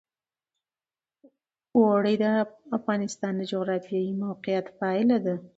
اوړي د افغانستان د جغرافیایي موقیعت پایله ده.